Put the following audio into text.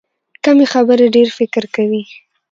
کمې خبرې، ډېر فکر کوي.